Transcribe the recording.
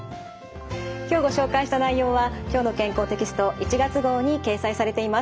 今日ご紹介した内容は「きょうの健康」テキスト１月号に掲載されています。